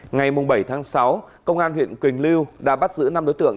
ngày bảy tháng sáu công an huyện quỳnh lưu đã bắt giữ năm đối tượng